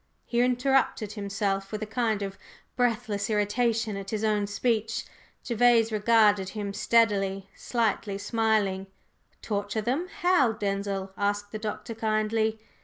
…" He interrupted himself with a kind of breathless irritation at his own speech. Gervase regarded him steadily, slightly smiling. "Torture them how, Denzil?" asked the Doctor, kindly.